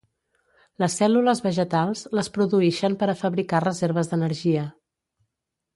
Les cèl·lules vegetals les produïxen per a fabricar reserves d'energia.